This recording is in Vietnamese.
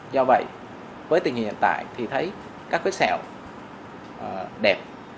do vậy với tình hình hiện tại thì thấy các vết sẹo đẹp